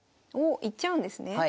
おっいっちゃうんですね？